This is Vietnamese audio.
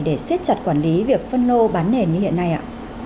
để siết chặt quản lý việc phân lô bán nền như hiện nay ạ